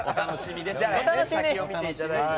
楽しみに見ていただいて。